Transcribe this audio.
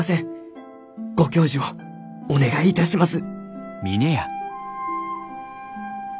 ご教授をお願いいたします」。